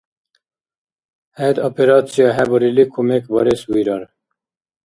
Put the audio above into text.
ХӀед операция хӀебарили кумекбарес вирар.